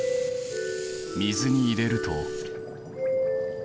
水に入れると。